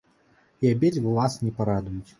І абедзве вас не парадуюць.